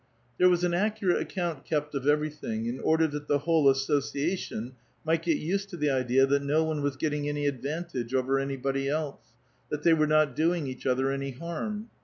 There was an accurate account kept of everything, in order that the whole association might get used to the idea that no one was getting any ailvantage over anybody' else, that ihey were not doing each other any harm.